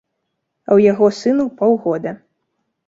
А ў яго сыну паўгода.